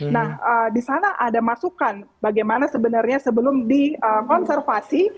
nah di sana ada masukan bagaimana sebenarnya sebelum dikonservasi